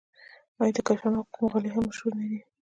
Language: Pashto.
آیا د کاشان او قم غالۍ هم مشهورې نه دي؟